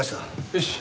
よし。